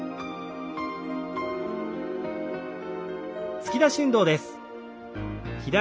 突き出し運動です。